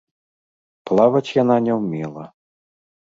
Плаваць яна не ўмела.